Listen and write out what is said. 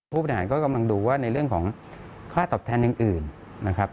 ผู้บริหารก็กำลังดูว่าในเรื่องของค่าตอบแทนอย่างอื่นนะครับ